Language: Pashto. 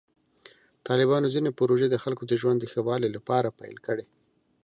طالبانو ځینې پروژې د خلکو د ژوند د ښه والي لپاره پیل کړې.